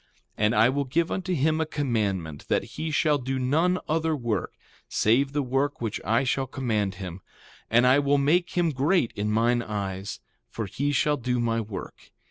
3:8 And I will give unto him a commandment that he shall do none other work, save the work which I shall command him. And I will make him great in mine eyes; for he shall do my work.